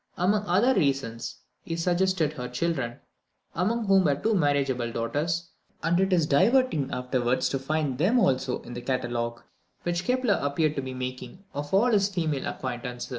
Among other reasons, he suggested her children, among whom were two marriageable daughters; and it is diverting afterwards to find them also in the catalogue, which Kepler appeared to be making, of all his female acquaintance....